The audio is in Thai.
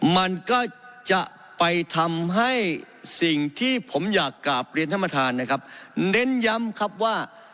มันก็จะไปทำให้สิ่งที่ผมอยากกลับเรียนท่านประธานนะครับเน้นย้ำครับว่า